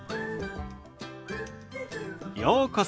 ようこそ。